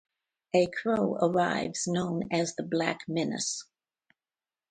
A crow arrives known as the Black Menace.